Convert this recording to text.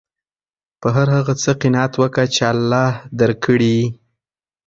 په هر هغه څه قناعت وکه، چي الله درکړي يي.